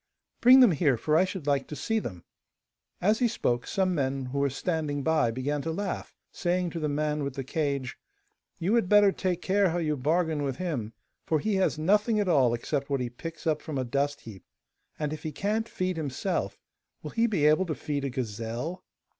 'Bring them here, for I should like to see them.' As he spoke, some men who were standing by began to laugh, saying to the man with the cage: 'You had better take care how you bargain with him, for he has nothing at all except what he picks up from a dust heap, and if he can't feed himself, will he be able to feed a gazelle?